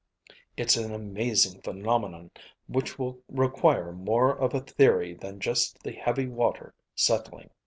It's an amazing phenomenon which will require more of a theory than just the heavy water settling.